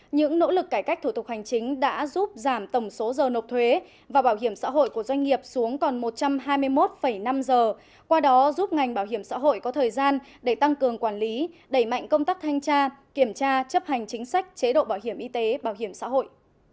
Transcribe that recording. những nỗ lực cải cách thủ tục hành chính đã giúp giảm tổng số giờ nộp thuế và bảo hiểm xã hội của doanh nghiệp xuống còn một trăm hai mươi một năm giờ qua đó giúp ngành bảo hiểm xã hội có thời gian để tăng cường quản lý đẩy mạnh công tác thanh tra kiểm tra chấp hành chính sách chế độ bảo hiểm y tế bảo hiểm xã hội